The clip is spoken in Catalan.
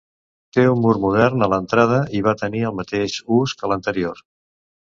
Té un mur modern a l'entrada i va tenir el mateix ús que l'anterior.